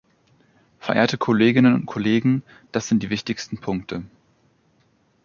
Verehrte Kolleginnen und Kollegen, das sind die wichtigsten Punkte.